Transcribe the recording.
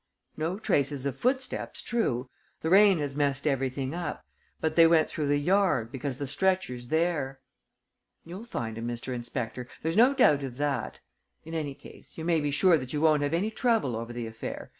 "No traces of footsteps, true. The rain has messed everything up. But they went through the yard, because the stretcher's there." "You'll find him, Mr. Inspector, there's no doubt of that. In any case, you may be sure that you won't have any trouble over the affair.